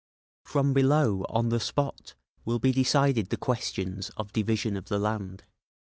From below, on the spot, will be decided the questions of division of the land.